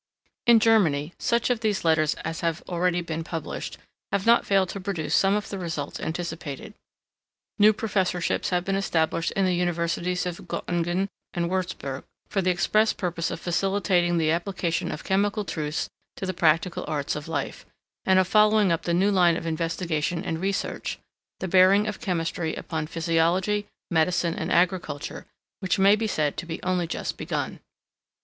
In Germany, such of these Letters as have been already published, have not failed to produce some of the results anticipated. New professorships have been established in the Universities of Goettingen and Wuertzburg, for the express purpose of facilitating the application of chemical truths to the practical arts of life, and of following up the new line of investigation and research the bearing of Chemistry upon Physiology, Medicine, and Agriculture, which may be said to be only just begun.